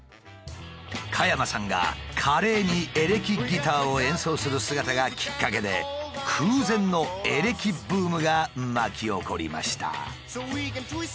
加山さんが華麗にエレキギターを演奏する姿がきっかけで空前のエレキブームが巻き起こりました。